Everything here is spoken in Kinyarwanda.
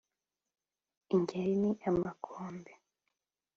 Ingeri ni amakombe